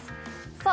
さあ